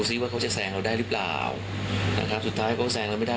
ถ้าคุณเก่งมาอาจารย์ได้คุณก็ไปได้